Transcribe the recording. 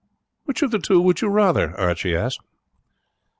"Which of the two would you rather?" Archie asked.